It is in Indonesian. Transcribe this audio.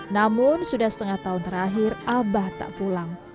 namun sudah setengah tahun terakhir abah tak pulang